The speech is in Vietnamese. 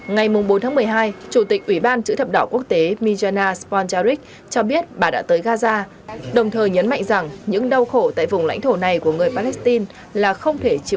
ngày bốn một mươi hai chủ tịch ủy ban chữ thập đảo quốc tế mijana sponjaric cho biết bà đã tới gaza đồng thời nhấn mạnh rằng những đau khổ tại vùng lãnh thổ